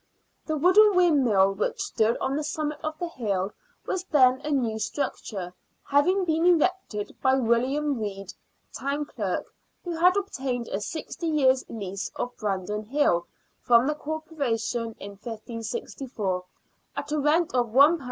The wooden windmill which stood on the summit of the hill was then a new structure, having been erected by William Rede, Town Clerk, who had obtained a sixty years' lease of Brandon Hill from the Corporation in 1564, at a rent of £1 6s.